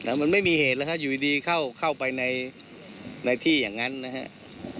มันไม่มีเหตุแล้วครับอยู่ดีเข้าไปในที่อย่างนั้นนะครับ